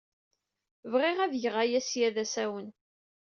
Bɣiɣ ad geɣ aya ssya d asawen.